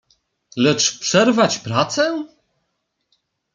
"Lecz przerwać pracę?"